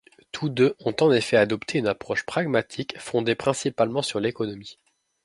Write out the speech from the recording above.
Tous deux ont en effet adopté une approche pragmatique fondée principalement sur l'économie.